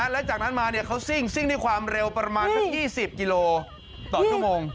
แล้วจากนั้นมาเขาซิ่งซิ่งที่ความเร็วประมาณ๒๐กิโลกรัมต่อชั่วโมง